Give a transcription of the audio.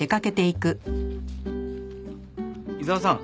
伊沢さん